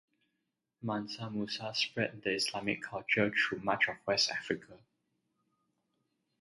Mansa Musa spread the Islamic culture through much of West Africa.